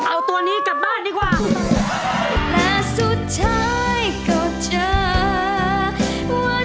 เอาตัวนี้กลับบ้านดีกว่า